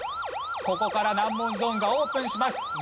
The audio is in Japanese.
ここから難問ゾーンがオープンします。